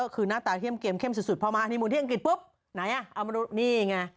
เขาจะไปกู้กันที่ประเทศไหนบ้าง